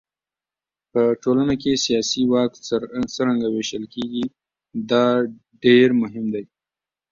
په ټولنه کې سیاسي واک څرنګه وېشل کېږي دا ډېر مهم دی.